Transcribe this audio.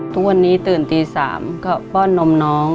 ทุกวันนี้ตื่นตี๓ก็ป้อนนมน้อง